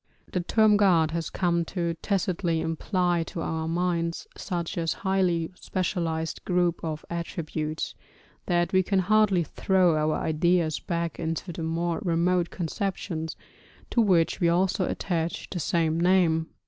The term god has come to tacitly imply to our minds such a highly specialised group of attributes, that we can hardly throw our ideas back into the more remote conceptions to which we also attach the same name.